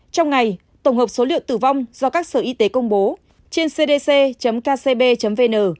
trong ngày tổng hợp số liệu tử vong do các sở y tế công bố trên cdc kcb vn